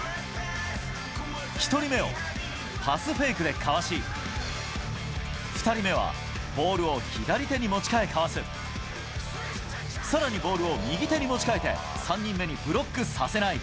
１人目をパスフェイクでかわし、２人目はボールを左手に持ち替えかわす、さらにボールを右手に持ち替えて、３人目にブロックさせない。